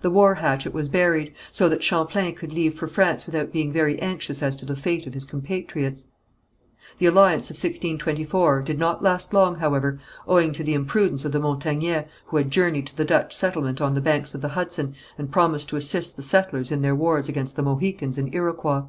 The war hatchet was buried, so that Champlain could leave for France without being very anxious as to the fate of his compatriots. The alliance of 1624 did not last long, however, owing to the imprudence of the Montagnais who had journeyed to the Dutch settlement on the banks of the Hudson and promised to assist the settlers in their wars against the Mohicans and Iroquois.